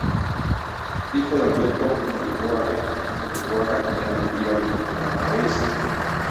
Hijo de Alberto Undurraga Undurraga y Ana Elvira Vicuña Baeza.